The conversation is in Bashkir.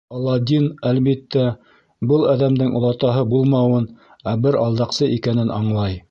Аладдин, әлбиттә, был әҙәмдең олатаһы булмауын, ә бер алдаҡсы икәнен аңлай.